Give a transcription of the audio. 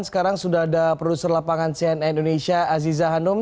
sekarang sudah ada produser lapangan cnn indonesia aziza hanum